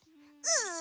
うん。